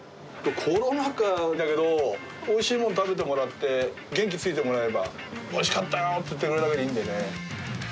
コロナ禍だけど、おいしいもの食べてもらって、元気つけてもらえれば、おいしかったよって言ってくれるだけでいいんでね。